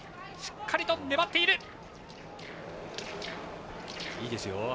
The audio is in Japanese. しっかりと粘っている。